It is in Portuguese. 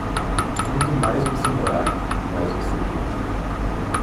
Quanto mais você morar, mais você vê.